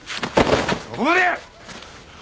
そこまで！